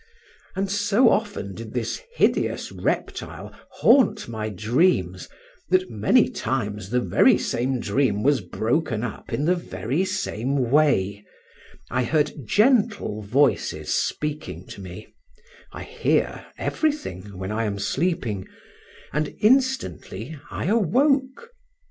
And so often did this hideous reptile haunt my dreams that many times the very same dream was broken up in the very same way: I heard gentle voices speaking to me (I hear everything when I am sleeping), and instantly I awoke.